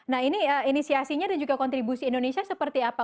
nah ini inisiasinya dan juga kontribusi indonesia seperti apa